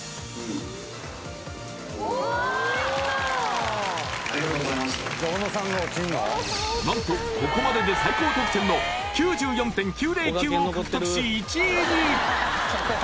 うん何とここまでで最高得点の９４．９０９を獲得し１位に！